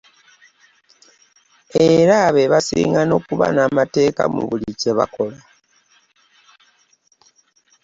Era be basinga n’okuba n’amateeka mu buli kye bakola.